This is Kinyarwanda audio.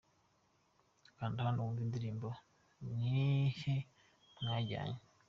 Kanda hano wumve indirimbo Nihe mwajyanye.